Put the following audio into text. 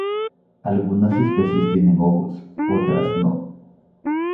Algunas especies tienen ojos, otras no.